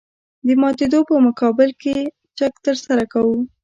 د ماتېدو په مقابل کې چک ترسره کوو